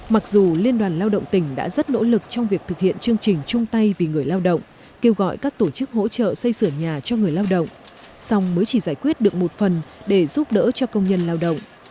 mặc dù liên đoàn lao động tỉnh đã rất nỗ lực trong việc thực hiện chương trình trung tây vì người lao động kêu gọi các tổ chức hỗ trợ xây sửa nhà cho người lao động song mới chỉ giải quyết được một phần để giúp đỡ cho công nhân lao động